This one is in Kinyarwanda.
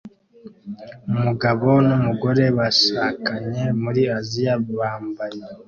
Umugabo n'umugore bashakanye muri Aziya bambaye